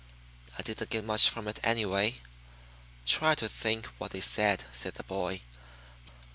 I didn't get much from it anyway." "Try to think what they said," said the boy.